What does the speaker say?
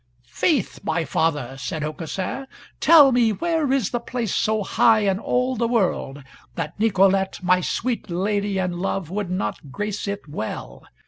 "Faith! my father," said Aucassin, "tell me where is the place so high in all the world, that Nicolete, my sweet lady and love, would not grace it well?